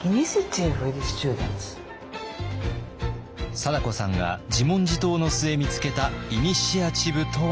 貞子さんが自問自答の末見つけたイニシアチブとは。